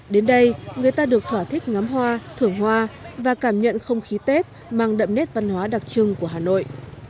đến đây người ta được thỏa thích ngắm hoa thưởng hoa và cảm nhận không khí tết mang đậm nét văn hóa đặc trưng của hà nội